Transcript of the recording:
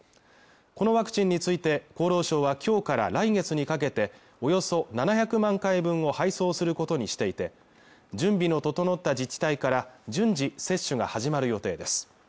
このワクチンについて厚労省は今日から来月にかけておよそ７００万回分を配送することにしていて準備の整った自治体から順次接種が始まる予定です